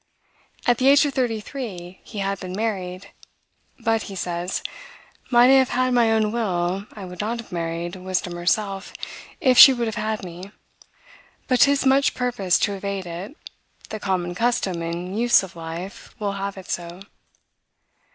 At the age of thirty three, he had been married. "But," he says, "might I have had my own will, I would not have married Wisdom herself, if she would have had me; but 'tis to much purpose to evade it, the common custom and use of life will have it so.